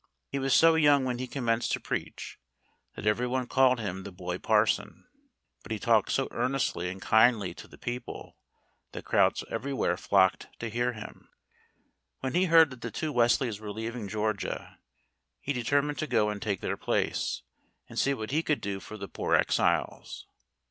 He was so young when he commenced to preach that every one called him the "boy parson;" but he talked so earnestly and kindly to the people that crowds everywhere flocked to hear him. When he heard that the two Wesleys were leaving Georgia he determined to go and take their place, and see what he could do for the poor exiles.